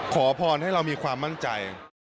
ขอพรให้เรามีความมั่นใจ